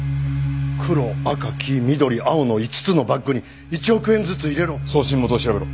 「黒赤黄緑青の５つのバッグに１億円ずつ入れろ」送信元を調べろ。